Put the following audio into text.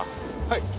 はい。